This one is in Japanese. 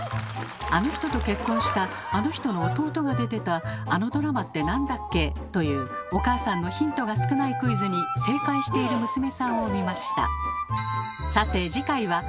「あの人と結婚したあの人の弟が出てたあのドラマって何だっけ？」というお母さんのヒントが少ないクイズに正解している娘さんを見ました。